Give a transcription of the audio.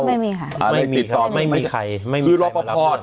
ไม่มีค่ะอะไรติดต่อไม่มีครับไม่มีใครไม่มีใครคือรอปภอห์